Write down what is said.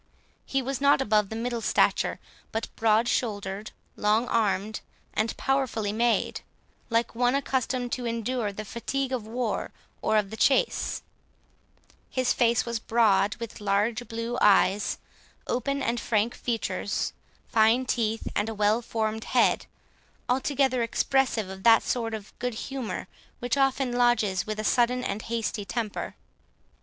He was not above the middle stature, but broad shouldered, long armed, and powerfully made, like one accustomed to endure the fatigue of war or of the chase; his face was broad, with large blue eyes, open and frank features, fine teeth, and a well formed head, altogether expressive of that sort of good humour which often lodges with a sudden and hasty temper.